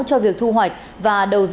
cho việc thu hoạch và đầu ra của nông sản